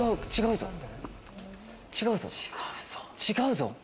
違うぞ。